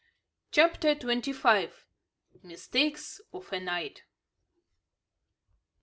CHAPTER TWENTY FIVE. MISTAKES OF A NIGHT.